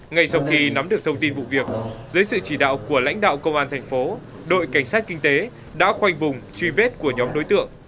ngay sau khi nắm được thông tin vụ việc dưới sự chỉ đạo của lãnh đạo công an thành phố đội cảnh sát kinh tế đã khoanh vùng truy vết của nhóm đối tượng